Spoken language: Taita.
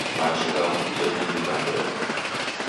Machi gha mbutenyi ni gha mbeo